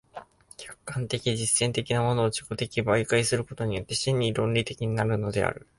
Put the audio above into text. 客観的実証的なものを自己に媒介することによって真に論理的になるのである。